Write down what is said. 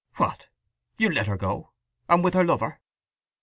"What—you'll let her go? And with her lover?"